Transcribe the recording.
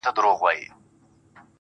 ما درته وژړل، ستا نه د دې لپاره~